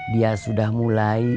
dia sudah mulai